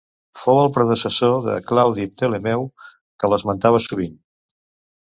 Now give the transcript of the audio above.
Fou el predecessor de Claudi Ptolemeu, que l'esmenta sovint.